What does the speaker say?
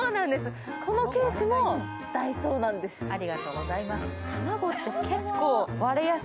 このケースもダイソーなんです。